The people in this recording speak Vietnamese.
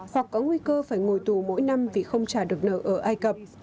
hoặc có nguy cơ phải ngồi tù mỗi năm vì không trả được nợ ở ai cập